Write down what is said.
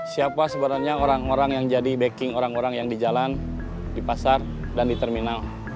siapa sebenarnya orang orang yang jadi backing orang orang yang di jalan di pasar dan di terminal